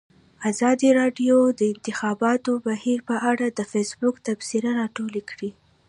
ازادي راډیو د د انتخاباتو بهیر په اړه د فیسبوک تبصرې راټولې کړي.